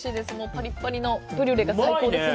パリパリのブリュレが最高です。